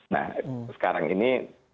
nah sekarang ini